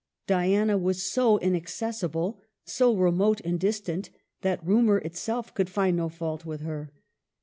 Di ana was so inaccessible, so remote and distant, that rumor itself could find no fault with her.